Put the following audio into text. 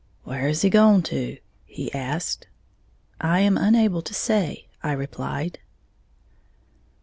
"Where has he gone to?" he asked. "I am unable to say," I replied.